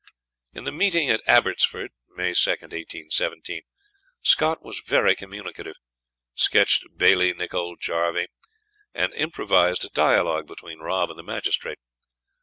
In the meeting at Abbotsford (May 2, 1817) Scott was very communicative, sketched Bailie Nicol Jarvie, and improvised a dialogue between Rob and the magistrate.